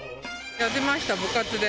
やってました、部活で。